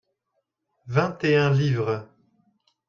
vint et un livres.